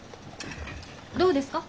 どうですか？